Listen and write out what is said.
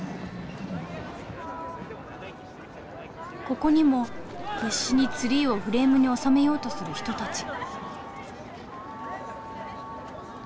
ここにも必死にツリーをフレームに収めようとする人たち。